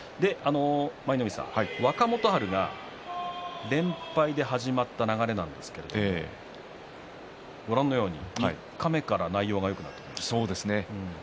舞の海さん、若元春が連敗で始まった流れなんですがご覧のように三日目から内容がよくなっています。